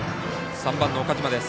３番の岡島です。